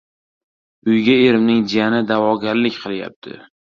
"Uyga erimning jiyani da`vogarlik qilyapti..."